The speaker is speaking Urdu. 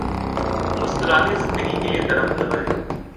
مسکراتی زندگی کے لیے درخت لگائیں۔